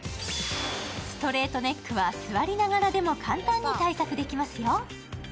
ストレートネックは座りながらでも簡単に対策できますよ。